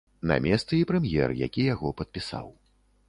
На месцы і прэм'ер, які яго падпісаў.